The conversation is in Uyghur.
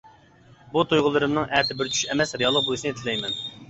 بۇ تۇيغۇلىرىمنىڭ ئەتە بىر چۈش ئەمەس، رېئاللىق بولۇشىنى تىلەيمەن.